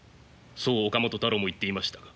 そう岡本太郎も言っていましたが。